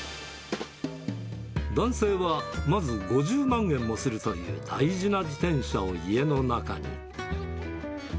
男性はまず５０万円もするという大事な自転車を家の中に。